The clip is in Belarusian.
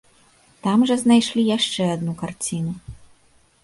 Там жа знайшлі яшчэ адну карціну.